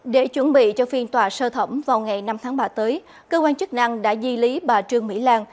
để chuẩn bị cho phiên tòa sơ thẩm vào ngày năm tháng ba tới cơ quan chức năng đã di lý bà trương mỹ lan